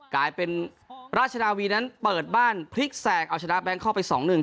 กลายเป็นราชนาวีนั้นเปิดบ้านพลิกแสกเอาชนะแบงคอกไปสองหนึ่ง